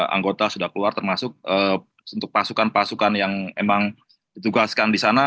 anggota sudah keluar termasuk untuk pasukan pasukan yang memang ditugaskan di sana